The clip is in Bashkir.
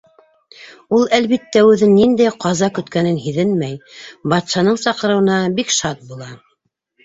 Ул, әлбиттә, үҙен ниндәй ҡаза көткәнен һиҙенмәй, батшаның саҡырыуына бик шат була.